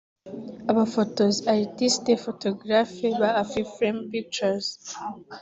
Abafotozi (artistes photographe) ba Afrifame Pictures